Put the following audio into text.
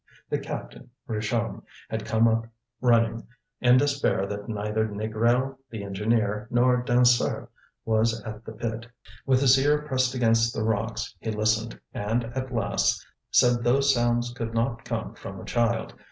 The captain, Richomme, had come up running, in despair that neither Négrel, the engineer, nor Dansaert was at the pit. With his ear pressed against the rocks he listened; and, at last, said those sounds could not come from a child.